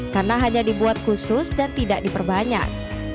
karena hanya dibuat khusus dan tidak diperbanyak